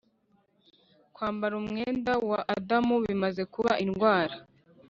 kwambara umwenda wa adamu bimaze kuba indwara